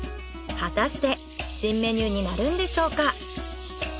果たして新メニューになるんでしょうか？